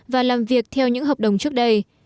và làm việc theo những hợp đồng trước đây